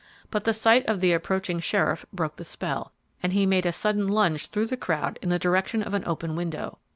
But the sight of the approaching sheriff broke the spell, and he made a sudden lunge through the crowd in the direction of an open window.